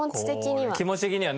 気持ち的には。